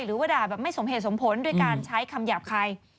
หรือว่าด่าแบบไม่สมเหตุสมผลด้วยการใช้คำหยาบคาย